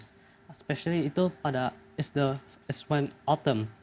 terutama itu pada musim bulgul